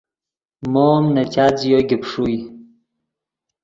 مو ام نے چات ژیو گیپ ݰوئے